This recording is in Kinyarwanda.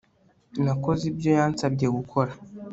Nakoze ibyo yansabye gukora